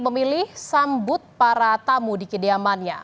memilih sambut para tamu di kediamannya